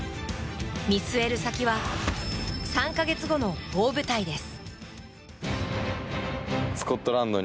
見据える先は３か月後の大舞台です。